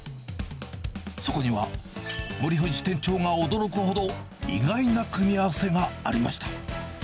そこには、森藤店長が驚くほど、意外な組み合わせがありました。